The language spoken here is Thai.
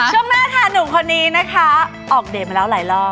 ช่วงหน้าค่ะหนุ่มคนนี้นะคะออกเดทมาแล้วหลายรอบ